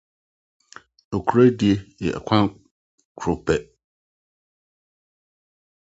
Nokwaredi, Ɔkwan Koro Pɛ